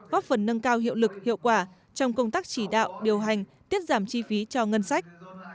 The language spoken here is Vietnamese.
góp phần nâng cao hiệu lực hiệu quả trong công tác chỉ đạo điều hành tiết giảm chi phí cho ngân sách